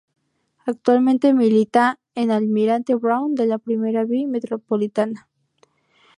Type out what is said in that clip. Actualmente milita en Almirante Brown de la Primera B Metropolitana.